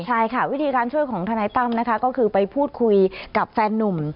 ใช่ค่ะวิธีการช่วยของทนายตั้มนะคะก็คือไปพูดคุยกับแฟนนุ่ม